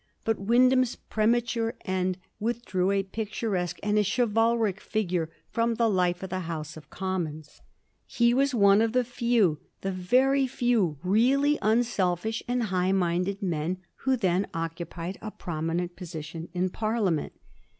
But Wyndham's premature end with drew a picturesque and a chivalric figure from the life of the House of Commons. He was one of the few, the very few, really unselfish and high minded men who then oc cupied a prominent position in Parliament.